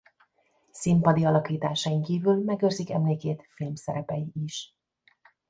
Színpadi alakításain kívül megőrzik emlékét filmszerepei is.